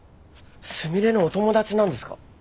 純恋のお友達なんですか？